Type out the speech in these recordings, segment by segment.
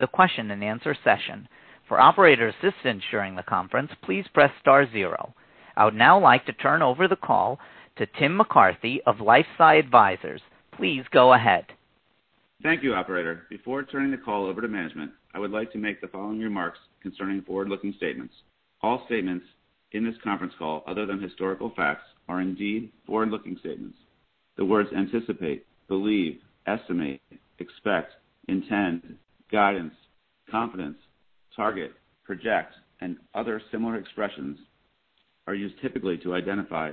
The question and answer session. For operator assistance during the conference, please press star zero. I would now like to turn over the call to Tim McCarthy of LifeSci Advisors. Please go ahead. Thank you, operator. Before turning the call over to management, I would like to make the following remarks concerning forward-looking statements. All statements in this conference call, other than historical facts, are indeed forward-looking statements. The words anticipate, believe, estimate, expect, intend, guidance, confidence, target, project, and other similar expressions are used typically to identify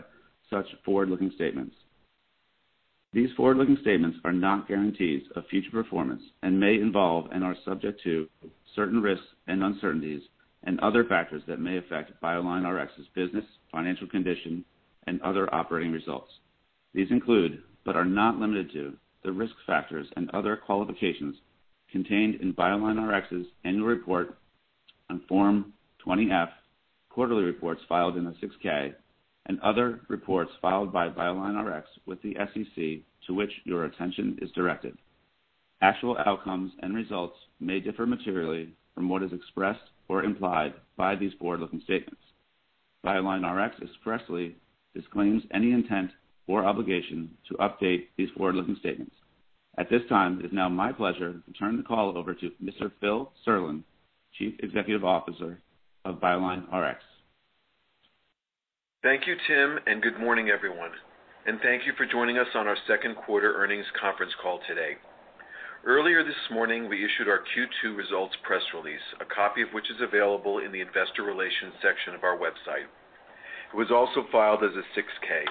such forward-looking statements. These forward-looking statements are not guarantees of future performance and may involve and are subject to certain risks and uncertainties and other factors that may affect BioLineRx's business, financial condition, and other operating results. These include, but are not limited to, the risk factors and other qualifications contained in BioLineRx's annual report on Form 20-F, quarterly reports filed in the Form 6-K, and other reports filed by BioLineRx with the SEC to which your attention is directed. Actual outcomes and results may differ materially from what is expressed or implied by these forward-looking statements. BioLineRx expressly disclaims any intent or obligation to update these forward-looking statements. At this time, it's now my pleasure to turn the call over to Mr. Phil Serlin, Chief Executive Officer of BioLineRx. Thank you, Tim. Good morning, everyone. Thank you for joining us on our Q2 earnings conference call today. Earlier this morning, we issued our Q2 results press release, a copy of which is available in the investor relations section of our website. It was also filed as a 6-K.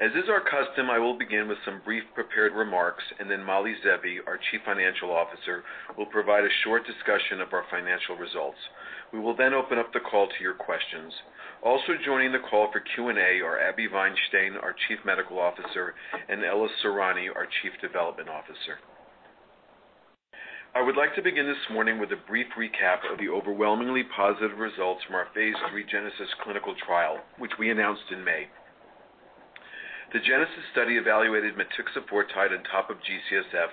As is our custom, I will begin with some brief prepared remarks. Then Mali Zeevi, our Chief Financial Officer, will provide a short discussion of our financial results. We will then open up the call to your questions. Also joining the call for Q&A are Abi Vainstein, our Chief Medical Officer, and Ella Sorani, our Chief Development Officer. I would like to begin this morning with a brief recap of the overwhelmingly positive results from our phase III GENESIS clinical trial, which we announced in May. The GENESIS study evaluated motixafortide on top of G-CSF,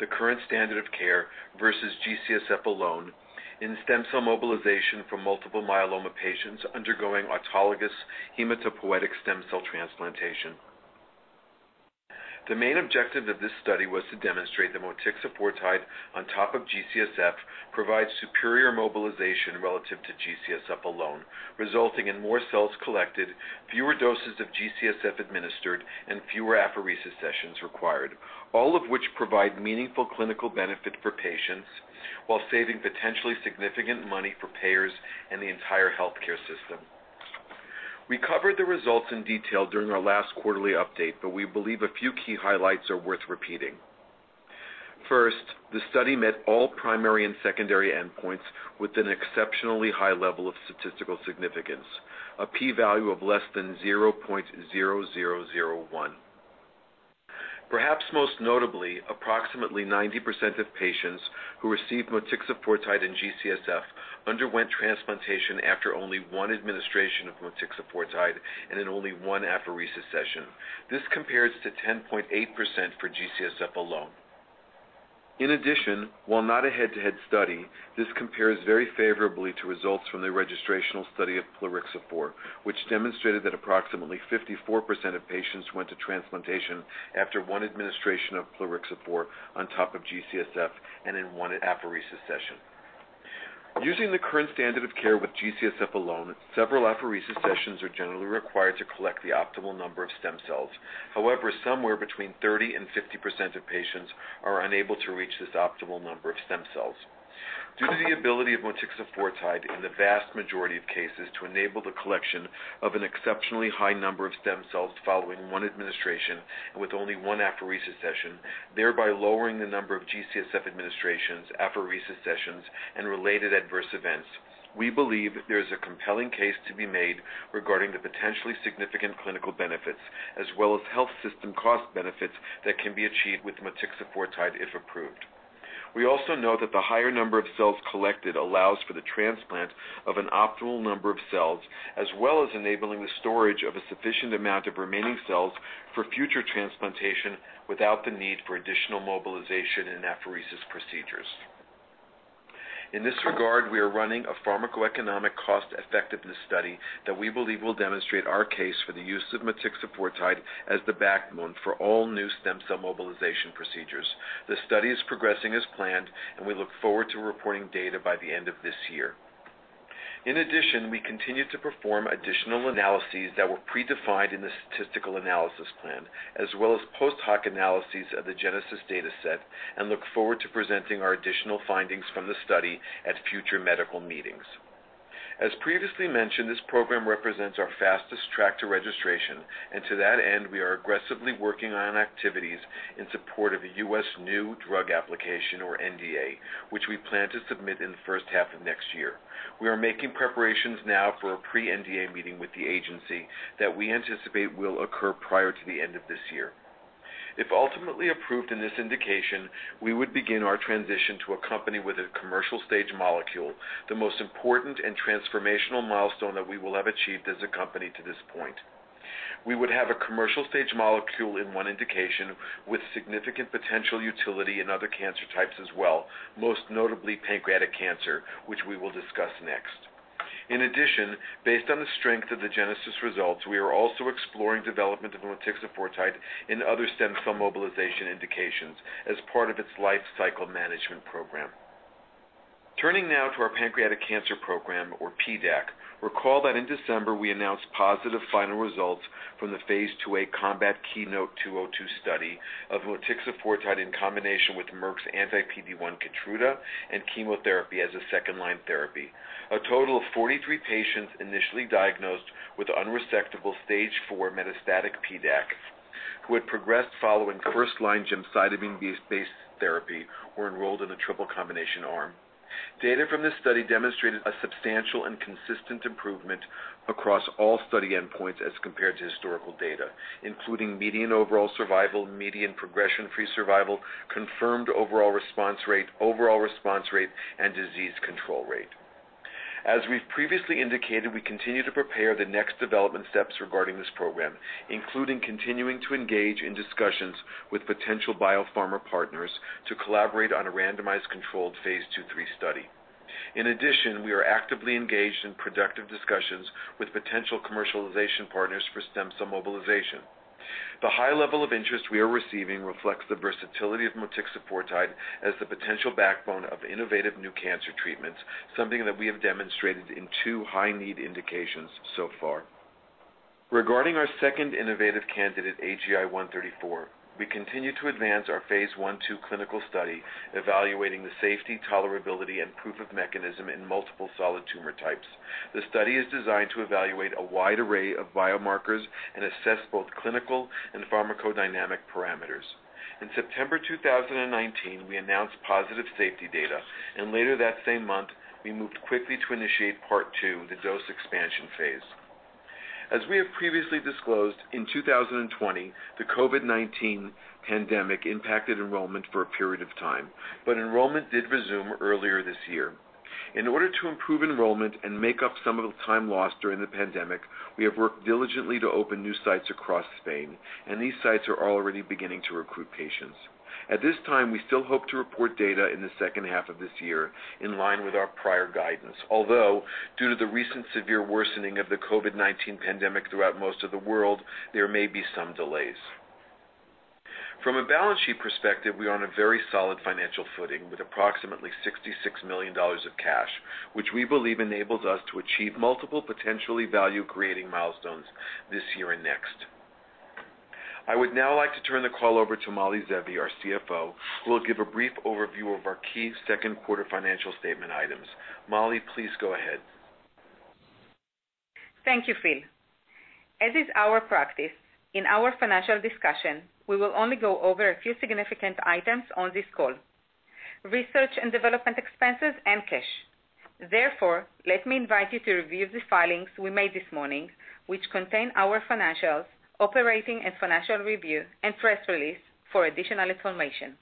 the current standard of care, versus G-CSF alone in stem cell mobilization for multiple myeloma patients undergoing autologous hematopoietic stem cell transplantation. The main objective of this study was to demonstrate that motixafortide on top of G-CSF provides superior mobilization relative to G-CSF alone, resulting in more cells collected, fewer doses of G-CSF administered, and fewer apheresis sessions required, all of which provide meaningful clinical benefit for patients while saving potentially significant money for payers and the entire healthcare system. We covered the results in detail during our last quarterly update, but we believe a few key highlights are worth repeating. First, the study met all primary and secondary endpoints with an exceptionally high level of statistical significance, a P value of less than 0.0001. Perhaps most notably, approximately 90% of patients who received motixafortide and G-CSF underwent transplantation after only one administration of motixafortide and in only one apheresis session. This compares to 10.8% for G-CSF alone. In addition, while not a head-to-head study, this compares very favorably to results from the registrational study of plerixafor, which demonstrated that approximately 54% of patients went to transplantation after one administration of plerixafor on top of G-CSF and in one apheresis session. Using the current standard of care with G-CSF alone, several apheresis sessions are generally required to collect the optimal number of stem cells. However, somewhere between 30% and 50% of patients are unable to reach this optimal number of stem cells. Due to the ability of motixafortide in the vast majority of cases to enable the collection of an exceptionally high number of stem cells following one administration and with only one apheresis session, thereby lowering the number of G-CSF administrations, apheresis sessions, and related adverse events. We believe there is a compelling case to be made regarding the potentially significant clinical benefits as well as health system cost benefits that can be achieved with motixafortide if approved. We also know that the higher number of cells collected allows for the transplant of an optimal number of cells, as well as enabling the storage of a sufficient amount of remaining cells for future transplantation without the need for additional mobilization and apheresis procedures. In this regard, we are running a pharmacoeconomic cost-effectiveness study that we believe will demonstrate our case for the use of motixafortide as the backbone for all new stem cell mobilization procedures. The study is progressing as planned, and we look forward to reporting data by the end of this year. In addition, we continue to perform additional analyses that were predefined in the statistical analysis plan, as well as post-hoc analyses of the GENESIS dataset and look forward to presenting our additional findings from the study at future medical meetings. As previously mentioned, this program represents our fastest track to registration, and to that end, we are aggressively working on activities in support of a U.S. new drug application, or NDA, which we plan to submit in the H1 of next year. We are making preparations now for a pre-NDA meeting with the agency that we anticipate will occur prior to the end of this year. If ultimately approved in this indication, we would begin our transition to a company with a commercial stage molecule, the most important and transformational milestone that we will have achieved as a company to this point. We would have a commercial stage molecule in one indication with significant potential utility in other cancer types as well, most notably pancreatic cancer, which we will discuss next. In addition, based on the strength of the GENESIS results, we are also exploring development of motixafortide in other stem cell mobilization indications as part of its lifecycle management program. Turning now to our pancreatic cancer program, or PDAC. Recall that in December, we announced positive final results from the phase II-A COMBAT/KEYNOTE-202 study of motixafortide in combination with Merck's anti-PD-1 KEYTRUDA and chemotherapy as a second-line therapy. A total of 43 patients initially diagnosed with unresectable Stage IV metastatic PDAC, who had progressed following first-line gemcitabine-based therapy, were enrolled in the triple combination arm. Data from this study demonstrated a substantial and consistent improvement across all study endpoints as compared to historical data, including median overall survival, median progression-free survival, confirmed overall response rate, overall response rate, and disease control rate. As we've previously indicated, we continue to prepare the next development steps regarding this program, including continuing to engage in discussions with potential biopharma partners to collaborate on a randomized controlled phase II/III study. In addition, we are actively engaged in productive discussions with potential commercialization partners for stem cell mobilization. The high level of interest we are receiving reflects the versatility of motixafortide as the potential backbone of innovative new cancer treatments, something that we have demonstrated in two high-need indications so far. Regarding our second innovative candidate, AGI-134, we continue to advance our phase I/II clinical study evaluating the safety, tolerability, and proof of mechanism in multiple solid tumor types. The study is designed to evaluate a wide array of biomarkers and assess both clinical and pharmacodynamic parameters. In September 2019, we announced positive safety data. Later that same month, we moved quickly to initiate Part II of the dose expansion phase. As we have previously disclosed, in 2020, the COVID-19 pandemic impacted enrollment for a period of time, but enrollment did resume earlier this year. In order to improve enrollment and make up some of the time lost during the pandemic, we have worked diligently to open new sites across Spain, and these sites are already beginning to recruit patients. At this time, we still hope to report data in the H2 of this year, in line with our prior guidance. Although, due to the recent severe worsening of the COVID-19 pandemic throughout most of the world, there may be some delays. From a balance sheet perspective, we are on a very solid financial footing with approximately $66 million of cash, which we believe enables us to achieve multiple potentially value-creating milestones this year and next. I would now like to turn the call over to Mali Zeevi, our CFO, who will give a brief overview of our key Q2 financial statement items. Mali, please go ahead. Thank you, Phil. As is our practice, in our financial discussion, we will only go over a few significant items on this call, research and development expenses and cash. Therefore, let me invite you to review the filings we made this morning, which contain our financials, operating and financial review, and press release for additional information.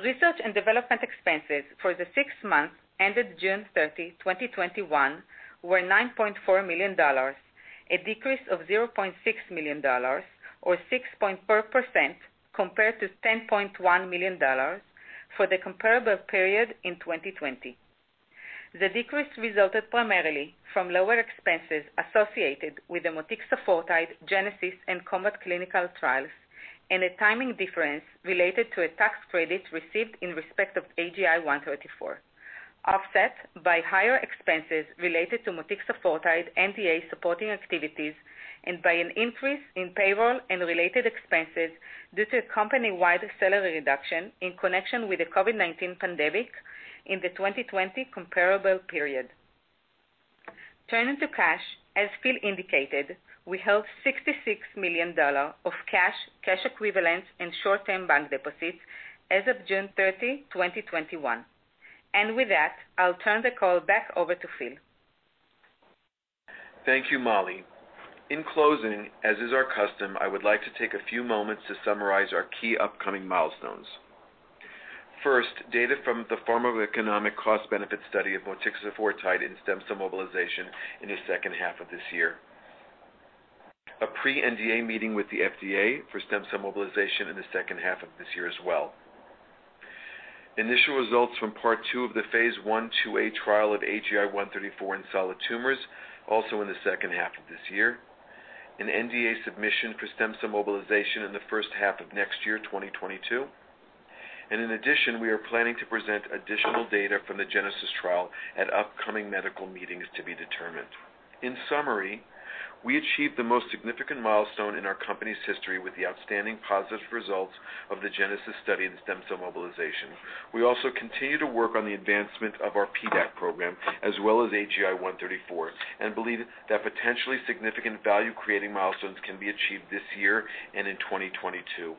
Research and development expenses for the six months ended June 30, 2021, were $9.4 million, a decrease of $0.6 million or 6.4% compared to $10.1 million for the comparable period in 2020. The decrease resulted primarily from lower expenses associated with the motixafortide GENESIS and COMBAT clinical trials, and a timing difference related to a tax credit received in respect of AGI-134, offset by higher expenses related to motixafortide NDA supporting activities and by an increase in payroll and related expenses due to a company-wide salary reduction in connection with the COVID-19 pandemic in the 2020 comparable period. Turning to cash, as Phil indicated, we held $66 million of cash equivalents, and short-term bank deposits as of June 30, 2021. With that, I'll turn the call back over to Phil. Thank you, Mali. In closing, as is our custom, I would like to take a few moments to summarize our key upcoming milestones. First, data from the pharmacoeconomic cost-benefit study of motixafortide in stem cell mobilization in the H2 of this year. A pre-NDA meeting with the FDA for stem cell mobilization in the H2 of this year as well. Initial results from Part II of the phase I/II-A trial of AGI-134 in solid tumors, also in the H2 of this year. An NDA submission for stem cell mobilization in the H1 of next year, 2022. In addition, we are planning to present additional data from the GENESIS trial at upcoming medical meetings, to be determined. In summary, we achieved the most significant milestone in our company's history with the outstanding positive results of the GENESIS study in stem cell mobilization. We also continue to work on the advancement of our PDAC program, as well as AGI-134, and believe that potentially significant value-creating milestones can be achieved this year and in 2022.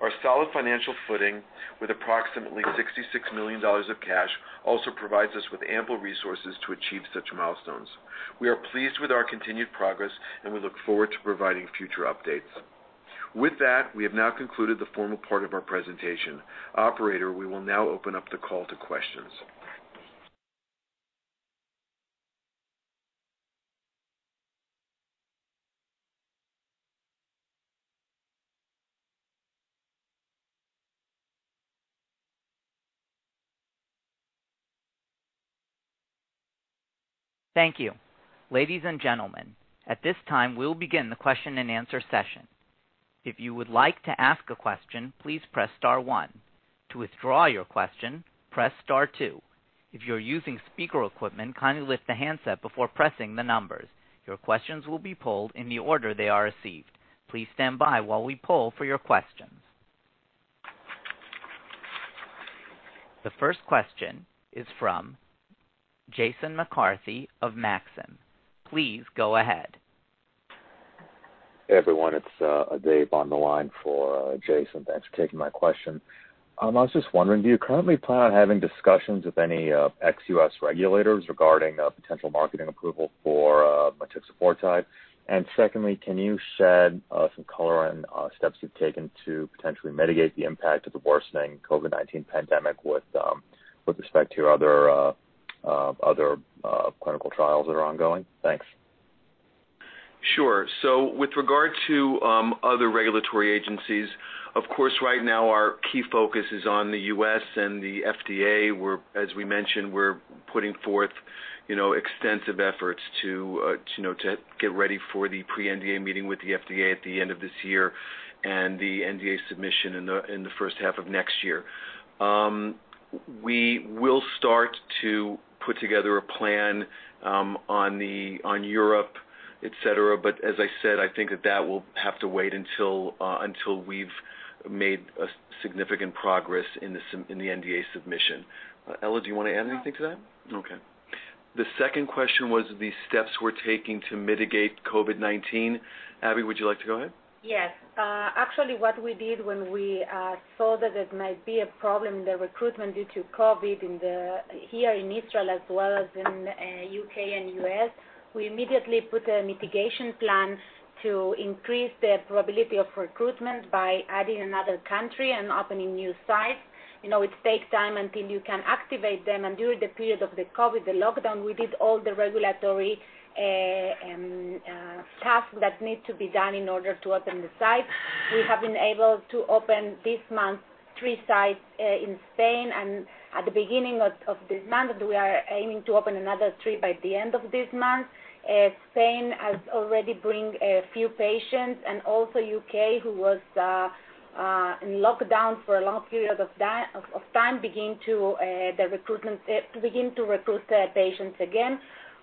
Our solid financial footing with approximately $66 million of cash also provides us with ample resources to achieve such milestones. We are pleased with our continued progress, and we look forward to providing future updates. With that, we have now concluded the formal part of our presentation. Operator, we will now open up the call to questions. Thank you. Ladies and gentlemen, at this time, we'll begin the question and answer session. If you would like to ask a question, please press star one. To withdraw your question, press star two. If you're using speaker equipment, kindly lift the handset before pressing the numbers. Your questions will be polled in the order they are received. Please stand by while we poll for your questions. The first question is from Jason McCarthy of Maxim. Please go ahead. Hey, everyone. It's Dave on the line for Jason. Thanks for taking my question. I was just wondering, do you currently plan on having discussions with any ex-US regulators regarding potential marketing approval for motixafortide? Secondly, can you shed some color on steps you've taken to potentially mitigate the impact of the worsening COVID-19 pandemic with respect to your other clinical trials that are ongoing? Thanks. With regard to other regulatory agencies, of course, right now our key focus is on the U.S. and the FDA, where, as we mentioned, we're putting forth extensive efforts to get ready for the pre-NDA meeting with the FDA at the end of this year and the NDA submission in the H1 of next year. We will start to put together a plan on Europe, et cetera. As I said, I think that will have to wait until we've made significant progress in the NDA submission. Ella, do you want to add anything to that? No. Okay. The second question was the steps we're taking to mitigate COVID-19. Abi, would you like to go ahead? Yes. Actually, what we did when we saw that it might be a problem, the recruitment due to COVID here in Israel as well as in U.K. and U.S., we immediately put a mitigation plan to increase the probability of recruitment by adding another country and opening new sites. It takes time until you can activate them, and during the period of the COVID, the lockdown, we did all the regulatory tasks that need to be done in order to open the site. We have been able to open, this month, three sites in Spain, and at the beginning of this month, we are aiming to open another three by the end of this month. Spain has already bring a few patients, and also U.K., who was in lockdown for a long period of time, begin to recruit the patients again.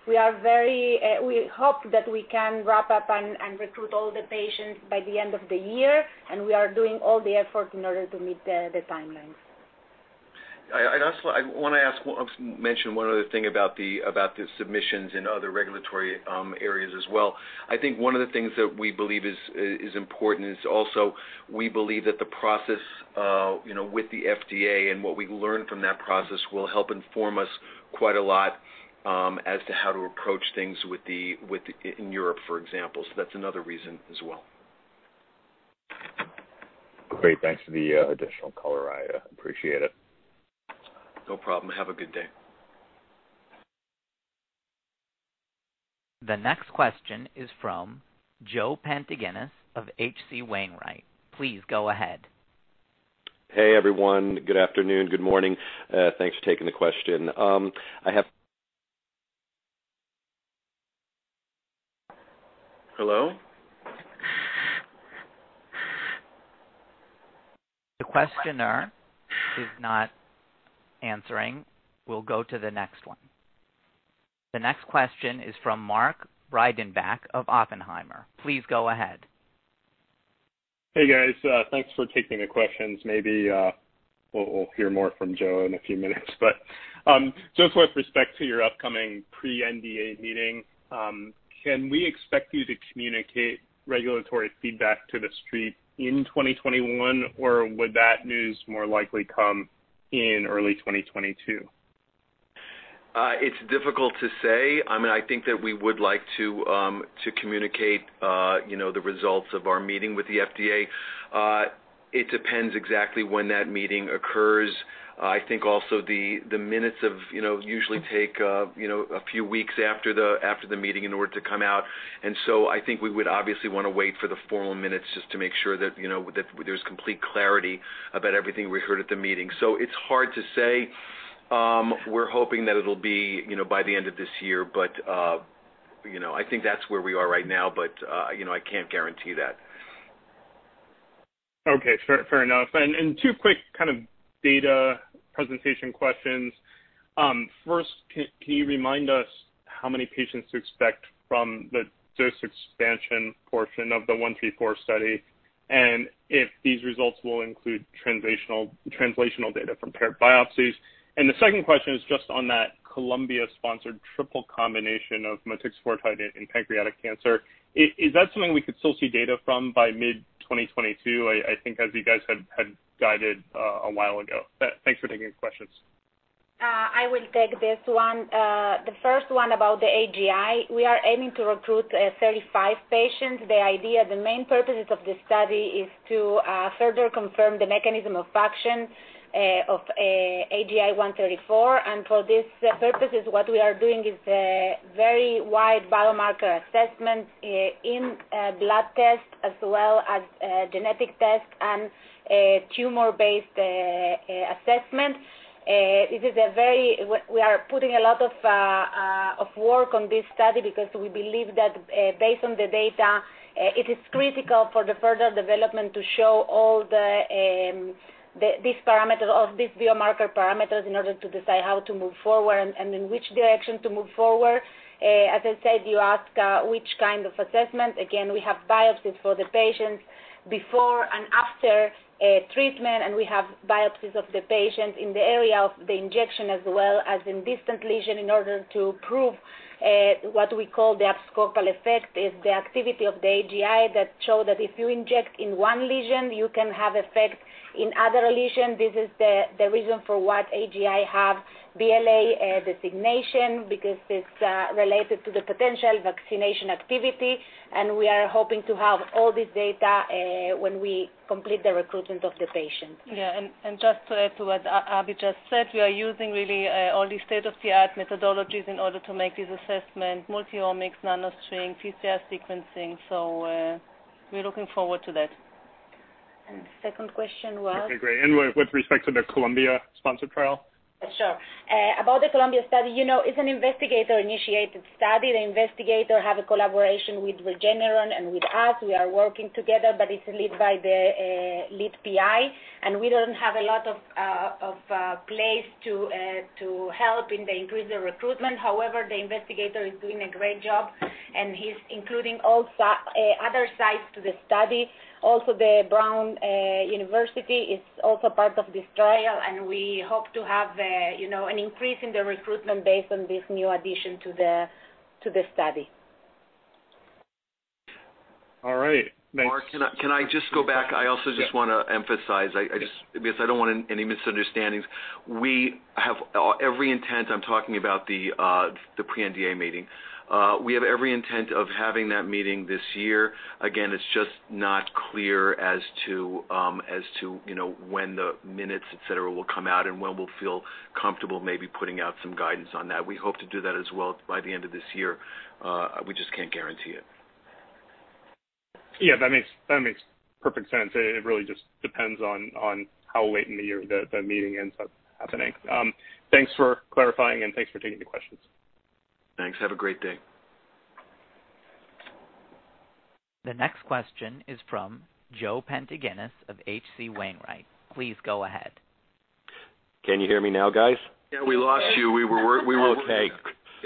We hope that we can wrap up and recruit all the patients by the end of the year, and we are doing all the effort in order to meet the timelines. I want to mention one other thing about the submissions in other regulatory areas as well. I think one of the things that we believe is important is also we believe that the process with the FDA and what we learn from that process will help inform us quite a lot as to how to approach things in Europe, for example. That's another reason as well. Great. Thanks for the additional color. I appreciate it. No problem. Have a good day. The next question is from Joe Pantginis of H.C. Wainwright. Please go ahead. Hey, everyone. Good afternoon. Good morning. Thanks for taking the question. Hello? The questioner is not answering. We'll go to the next one. The next question is from Mark Breidenbach of Oppenheimer. Please go ahead. Hey, guys. Thanks for taking the questions. Maybe we'll hear more from Joe in a few minutes. Just with respect to your upcoming pre-NDA meeting, can we expect you to communicate regulatory feedback to the street in 2021, or would that news more likely come in early 2022? It's difficult to say. I think that we would like to communicate the results of our meeting with the FDA. It depends exactly when that meeting occurs. I think also the minutes usually take a few weeks after the meeting in order to come out. I think we would obviously want to wait for the formal minutes just to make sure that there's complete clarity about everything we heard at the meeting. It's hard to say. We're hoping that it'll be by the end of this year, but I think that's where we are right now, but I can't guarantee that. Okay, fair enough. Two quick data presentation questions. First, can you remind us how many patients to expect from the dose expansion portion of the 134 study, and if these results will include translational data from paired biopsies? The second question is just on that Columbia-sponsored triple combination of motixafortide in pancreatic cancer. Is that something we could still see data from by mid-2022, I think as you guys had guided a while ago? Thanks for taking the questions. I will take this one. The first one about the AGI, we are aiming to recruit 35 patients. The main purpose of this study is to further confirm the mechanism of action of AGI-134. For this purpose, what we are doing is a very wide biomarker assessment in blood tests, as well as genetic tests and tumor-based assessment. We are putting a lot of work on this study because we believe that based on the data, it is critical for the further development to show all these biomarker parameters in order to decide how to move forward and in which direction to move forward. As I said, you ask which kind of assessment. Again, we have biopsies for the patients before and after treatment, and we have biopsies of the patients in the area of the injection as well as in distant lesion in order to prove what we call the abscopal effect, is the activity of the AGI that show that if you inject in one lesion, you can have effect in other lesion. This is the reason for what AGI have BLA designation, because it's related to the potential vaccination activity, and we are hoping to have all this data when we complete the recruitment of the patient. Yeah, just to add to what Abi just said, we are using really only state-of-the-art methodologies in order to make this assessment multi-omics, NanoString, PCR sequencing. We're looking forward to that. Second question was? Okay, great. With respect to the Columbia sponsored trial? Sure. About the Columbia study, it's an investigator-initiated study. The investigator have a collaboration with Regeneron and with us. We are working together, but it's led by the lead PI, and we don't have a lot of place to help in the increase the recruitment. However, the investigator is doing a great job, and he's including other sites to the study. Also, the Brown University is also part of this trial, and we hope to have an increase in the recruitment based on this new addition to the study. All right. Thanks. Mark, can I just go back? I also just want to emphasize, because I don't want any misunderstandings. Every intent, I'm talking about the pre-NDA meeting. We have every intent of having that meeting this year. Again, it's just not clear as to when the minutes, et cetera, will come out and when we'll feel comfortable maybe putting out some guidance on that. We hope to do that as well by the end of this year. We just can't guarantee it. Yeah, that makes perfect sense. It really just depends on how late in the year the meeting ends up happening. Thanks for clarifying, and thanks for taking the questions. Thanks. Have a great day. The next question is from Joe Pantginis of H.C. Wainwright. Please go ahead. Can you hear me now, guys? Yeah, we lost you. Okay.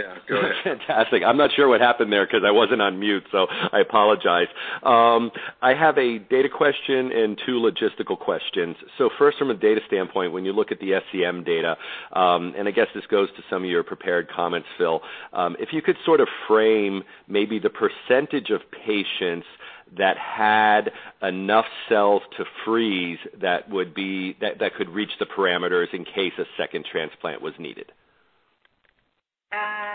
Yeah, go ahead. Fantastic. I am not sure what happened there because I wasn't on mute, so I apologize. I have a data question and two logistical questions. First, from a data standpoint, when you look at the SCM data, and I guess this goes to some of your prepared comments, Phil, if you could sort of frame maybe the percentage of patients that had enough cells to freeze that could reach the parameters in case a second transplant was needed. I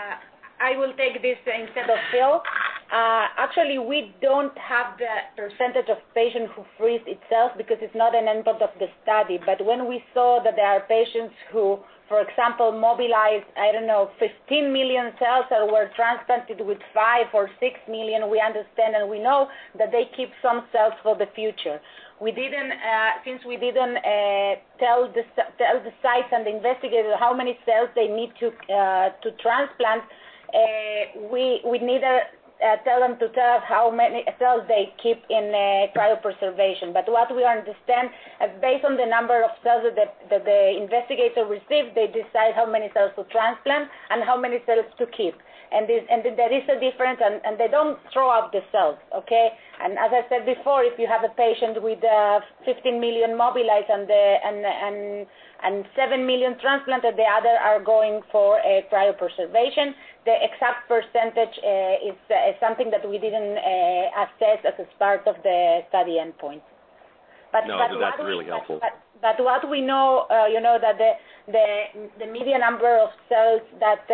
will take this instead of Phil. Actually, we don't have the percentage of patient who freeze itself because it's not an input of the study. When we saw that there are patients who, for example, mobilized, I don't know, 15 million cells that were transplanted with five or six million, we understand, and we know that they keep some cells for the future. Since we didn't tell the sites and the investigators how many cells they need to transplant, we neither tell them to tell us how many cells they keep in cryopreservation. What we understand, based on the number of cells that the investigator received, they decide how many cells to transplant and how many cells to keep. There is a difference, and they don't throw out the cells, okay? As I said before, if you have a patient with 15 million mobilized and seven million transplanted, the other are going for cryopreservation. The exact percentage is something that we didn't assess as a part of the study endpoint. No, but that's really helpful. What we know, the median number of cells that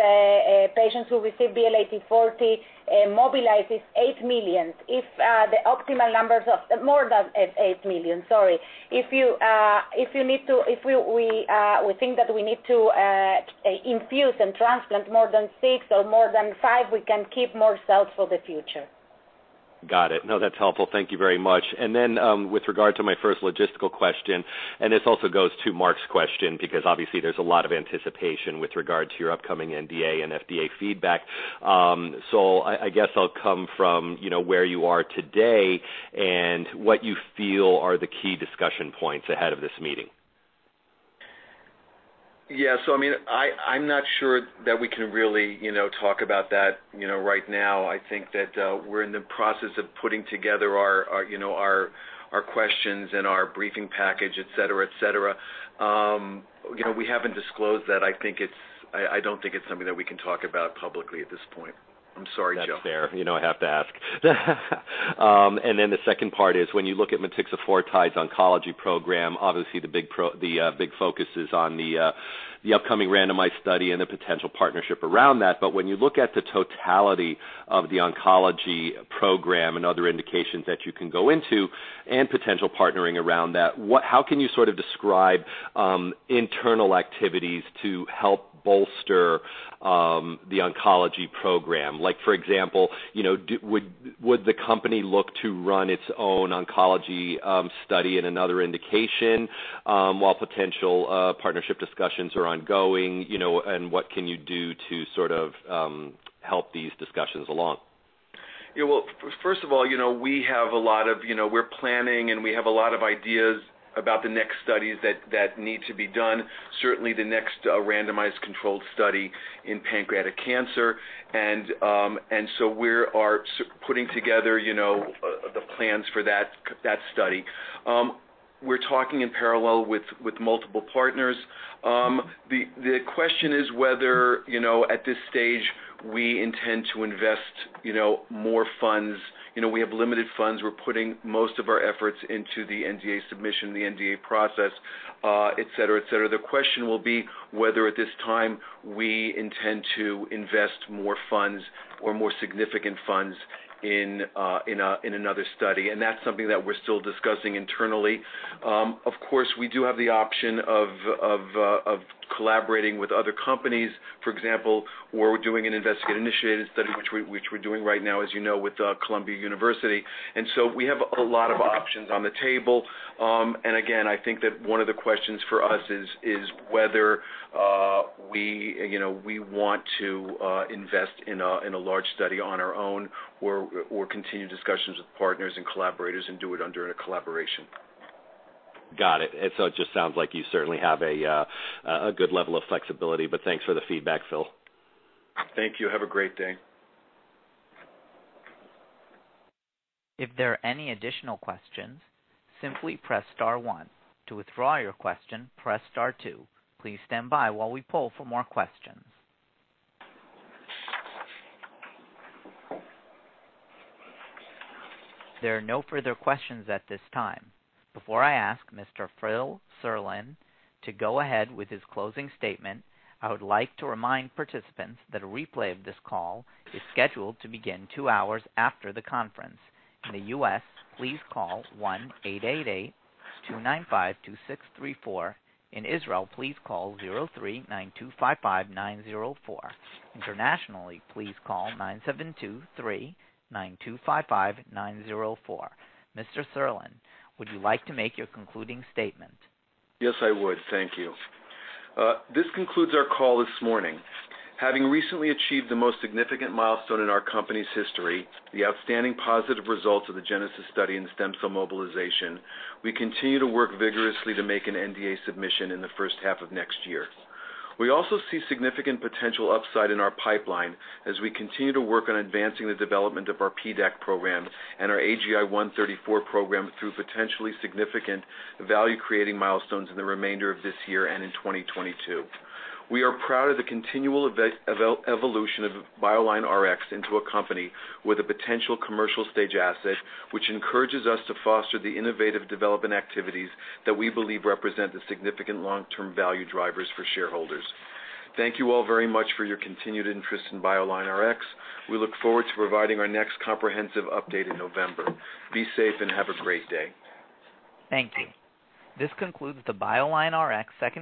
patients who receive BL-8040 mobilized is eight million. More than eight million, sorry. If we think that we need to infuse and transplant more than six or more than five, we can keep more cells for the future. Got it. No, that's helpful. Thank you very much. With regard to my first logistical question, this also goes to Mark's question because obviously there's a lot of anticipation with regard to your upcoming NDA and FDA feedback. I guess I'll come from where you are today and what you feel are the key discussion points ahead of this meeting. Yeah. I'm not sure that we can really talk about that right now. I think that we're in the process of putting together our questions and our briefing package, et cetera. We haven't disclosed that. I don't think it's something that we can talk about publicly at this point. I'm sorry, Joe. That's fair. I have to ask. The second part is, when you look at motixafortide's oncology program, obviously the big focus is on the upcoming randomized study and the potential partnership around that. When you look at the totality of the oncology program and other indications that you can go into and potential partnering around that, how can you sort of describe internal activities to help bolster the oncology program? Like for example, would the company look to run its own oncology study in another indication while potential partnership discussions are ongoing, and what can you do to sort of help these discussions along? Yeah. Well, first of all, we're planning and we have a lot of ideas about the next studies that need to be done, certainly the next randomized controlled study in pancreatic cancer. So we are putting together the plans for that study. We're talking in parallel with multiple partners. The question is whether, at this stage, we intend to invest more funds. We have limited funds. We're putting most of our efforts into the NDA submission, the NDA process, et cetera. The question will be whether, at this time, we intend to invest more funds or more significant funds in another study, and that's something that we're still discussing internally. Of course, we do have the option of collaborating with other companies. For example, we're doing an investigator-initiated study, which we're doing right now, as you know, with Columbia University. We have a lot of options on the table. Again, I think that one of the questions for us is whether we want to invest in a large study on our own, or continue discussions with partners and collaborators and do it under a collaboration. Got it. It just sounds like you certainly have a good level of flexibility. Thanks for the feedback, Phil. Thank you. Have a great day. If there are any additional questions, simply press star one. To withdraw your question, press star two. Please standby while we poll for more questions. There are no further questions at this time, before I ask Mr. Phil Serlin to go ahead with his closing statement, I would like to remind participants that a replay of this call is scheduled to begin two hours after the conference. In the U.S., please call 1-888-295-2634. In Israel, please call 03-9255-904. Internationally, please call 972-3-9255-904. Mr. Serlin, would you like to make your concluding statement? Yes, I would. Thank you. This concludes our call this morning. Having recently achieved the most significant milestone in our company's history, the outstanding positive results of the GENESIS study in stem cell mobilization, we continue to work vigorously to make an NDA submission in the H1 of 2022. We also see significant potential upside in our pipeline as we continue to work on advancing the development of our PDAC program and our AGI-134 program through potentially significant value-creating milestones in the remainder of this year and in 2022. We are proud of the continual evolution of BioLineRx into a company with a potential commercial stage asset, which encourages us to foster the innovative development activities that we believe represent the significant long-term value drivers for shareholders. Thank you all very much for your continued interest in BioLineRx. We look forward to providing our next comprehensive update in November. Be safe and have a great day. Thank you. This concludes the BioLineRx second.